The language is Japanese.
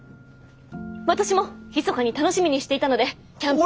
私もひそかに楽しみにしていたのでキャンペーン。